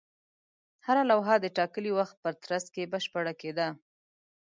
هره لوحه د ټاکلي وخت په ترڅ کې بشپړه کېده.